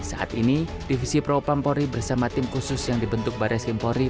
saat ini divisi propampori bersama tim khusus yang dibentuk baris krimpori